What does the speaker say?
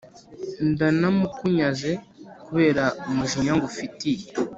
ndanamukunyaze, kubera umujinya ngufitiye.